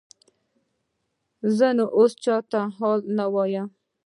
زه نو اوس چاته حال نه وایم.